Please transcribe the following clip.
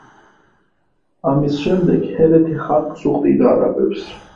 ამის შემდეგ ჰერეთი ხარკს უხდიდა არაბებს.